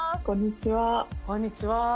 こんにちは。